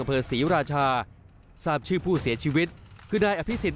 อำเภอศรีราชาทราบชื่อผู้เสียชีวิตคือนายอภิษฎ